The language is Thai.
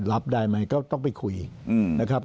รับได้ไหมก็ต้องไปคุยนะครับ